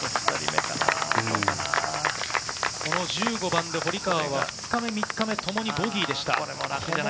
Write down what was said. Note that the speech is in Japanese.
１５番で堀川は２日目、３日目ともにボギーでした。